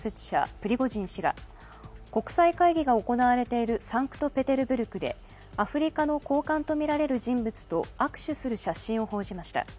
プリゴジン氏が国際会議が行われているサンクトペテルブルクでアフリカの高官とみられる人物と握手する写真を報じました。